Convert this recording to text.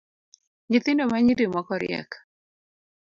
Nyithindo manyiri moko riek